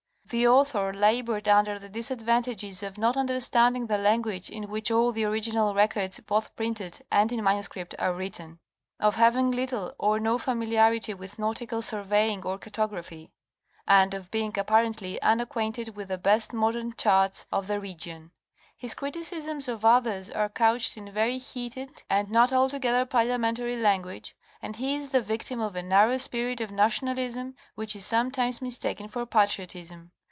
The author labored under the disadvantages of not understanding the language in which all the original records both printed and in manuscript are written; of having little or no Review of Berings First Expedition, 1725 30. 133 familiarity with nautical surveying or cartography; and of being apparently unacquainted with the best modern charts of the region. His criticisms of others are couched in very heated and not altogether parliamentary language, and he is the victim of a narrow spirit of nationalism which is sometimes mistaken for patriotism.